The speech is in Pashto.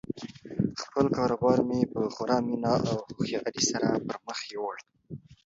خپل کاروبار مې په خورا مینه او هوښیاري سره پرمخ یووړ.